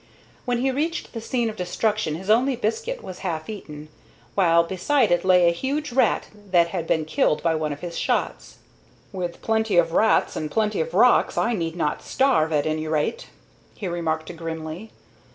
When he reached the scene of destruction his only biscuit was half eaten, while beside it lay a huge rat that had been killed by one of his shots. "With plenty of rats and plenty of rocks I need not starve, at any rate," he remarked, grimly.